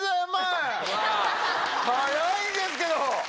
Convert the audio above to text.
辛いんですけど！